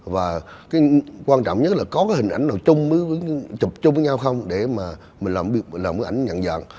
và quan trọng nhất là có cái hình ảnh nào chung với nhau không để mà mình làm cái ảnh nhận dạng